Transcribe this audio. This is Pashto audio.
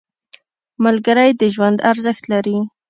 • ملګری د ژوند ارزښت لري.